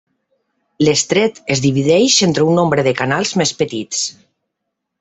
L'estret es divideix entre un nombre de canals més petits.